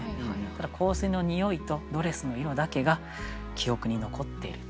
ただ香水の匂いとドレスの色だけが記憶に残っているという。